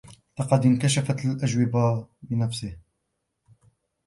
لقد اكنشف الأجوبة بنفسه.